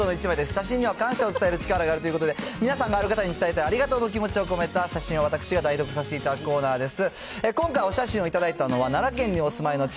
写真には感謝を伝える力があるということで、皆さんのある方に伝えたいありがとうの気持ちを込めた写真を僕が代読させていただくコーナーです。